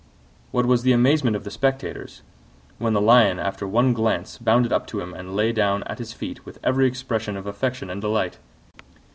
What was the amazement of the spectators, when the Lion after one glance bounded up to him and lay down at his feet with every expression of affection and delight!